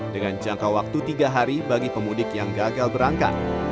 dengan jangka waktu tiga hari bagi pemudik yang gagal berangkat